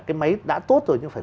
cái máy đã tốt rồi